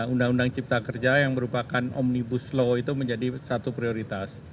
undang undang cipta kerja yang merupakan omnibus law itu menjadi satu prioritas